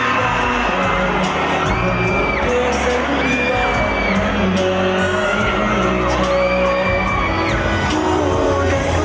สันติวะเธอเป็นใครแต่ก็ไม่รู้มันเหมือนกันบ้าง